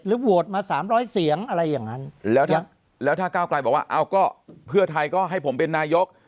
โหวตมาสามร้อยเสียงอะไรอย่างนั้นแล้วถ้าก้าวกลายบอกว่าเอาก็เพื่อไทยก็ให้ผมเป็นนายก